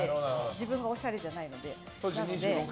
自分がおしゃれじゃないので。